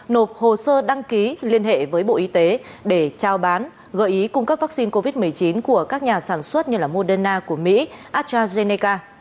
nộp hồ sơ đăng ký liên hệ với bộ y tế để trao bán gợi ý cung cấp vaccine covid một mươi chín của các nhà sản xuất như moderna của mỹ astrazeneca